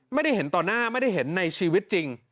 ไม่ได้เห็นต่อหน้าไม่ได้เห็นในชีวิตจริง